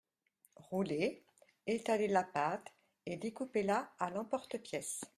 Roulez, étalez la pâte et découpez-la à l’emporte-pièce.